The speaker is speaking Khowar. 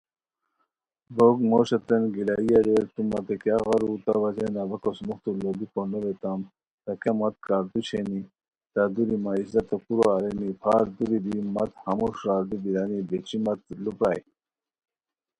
بوک موشوتین گلائی اریر، تومتین کیاغ ارو، تہ وجھین اوا کوس موختو لوڑیکو نوبیتام تہ کیہ مت کاردو شینی؟ تہ دُوری مہ عزتو کورا ارینی، پھار دُوری بی مت ہموݰ راردو بیرانی بیچی مت لُوپرائے